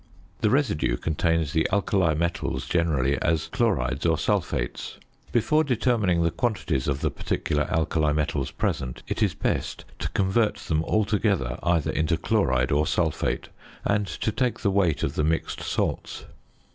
The residue contains the alkali metals generally, as chlorides or sulphates. Before determining the quantities of the particular alkali metals present, it is best to convert them altogether, either into chloride or sulphate, and to take the weight of the mixed salts.